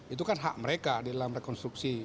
itu kan hak mereka di dalam rekonstruksi